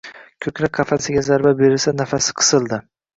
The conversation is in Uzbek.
Koʻkrak qafasiga zarba berilsa nafasi qisildi